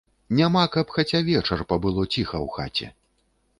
Няма, каб хаця вечар пабыло ціха ў хаце.